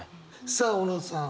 さあ小野さん。